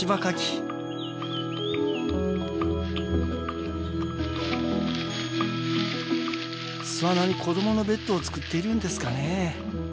巣穴に子どものベッドを作っているんですかね。